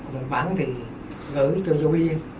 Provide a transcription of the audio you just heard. một bản thì gửi cho giáo viên